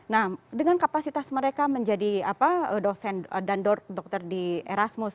nah dengan kapasitas mereka menjadi dosen dan dokter di erasmus